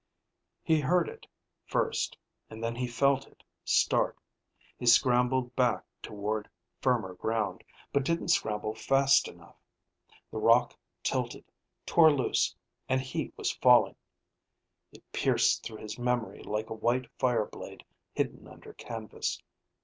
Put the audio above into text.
He heard it first, and then he felt it start. He scrambled back toward firmer ground but didn't scramble fast enough. The rock tilted, tore loose, and he was falling. (It pierced through his memory like a white fire blade hidden under canvas